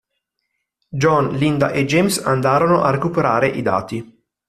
John, Linda e James andarono a recuperare i dati.